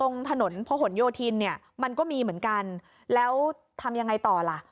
ตรงถนนพระหลโยธินเนี่ยมันก็มีเหมือนกันแล้วทำยังไงต่อล่ะ